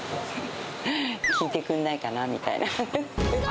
聞いてくれないかなみたいな。